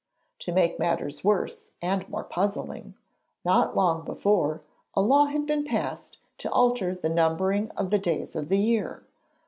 To make matters worse and more puzzling, not long before a law had been passed to alter the numbering of the days of the year.